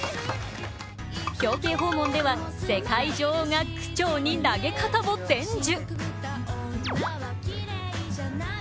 表敬訪問では世界女王が区長に投げ方を伝授。